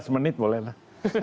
lima belas menit boleh lah